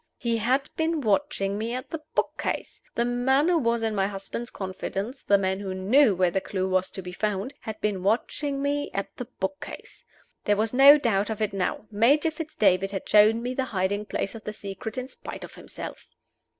He had been watching me at the book case! The man who was in my husband's confidence, the man who knew where the clew was to be found, had been watching me at the book case! There was no doubt of it now. Major Fitz David had shown me the hiding place of the secret in spite of himself!